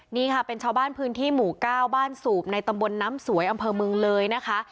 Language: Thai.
นี่ค่ะเป็นชาวบ้านพื้นที่หมู่๙บ้านสูบในตำบลน้ำสวยอำเภอเมืองเลยนะคะ